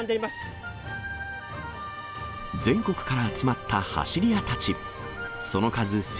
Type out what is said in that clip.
全国から集まった走り屋たち。